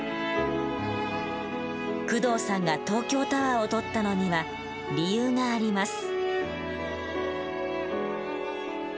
工藤さんが東京タワーを撮ったのには理由があります。